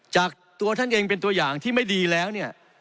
จากตัวท่านเองเป็นตัวอย่างที่ไม่ดีแล้วเนี่ย